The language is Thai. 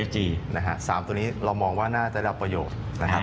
๓ตัวตัวนี้เรามองว่าน่าจะได้รับประโยชน์